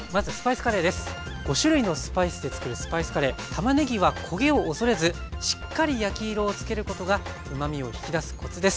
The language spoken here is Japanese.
たまねぎは焦げを恐れずしっかり焼き色をつけることがうまみを引き出すコツです。